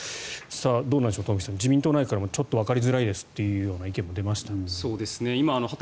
どうでしょう東輝さん自民党内からもちょっとわかりにくいという意見もでました。